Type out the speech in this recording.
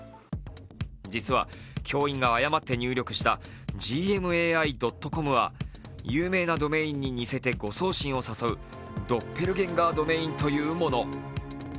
実は、教員が誤って入力した「ｇｍａｉ．ｃｏｍ」は有名なドメインに似せて誤送信を誘うドッペルゲンガー・ドメインというもの。